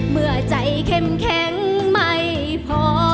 เมื่อใจเข้มแข็งไม่พอ